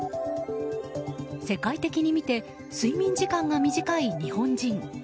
世界的に見て睡眠時間が短い日本人。